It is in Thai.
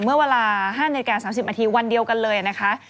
เมื่อเวลา๕นาฬิกา๓๐นาทีวันเดียวกันเลยนะคะ